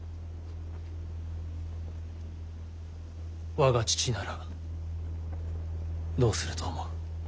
我が父ならどうすると思う？